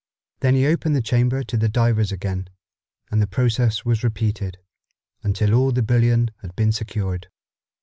Then he opened the chamber to the divers again, and the process was repeated, until all the bullion had been secured.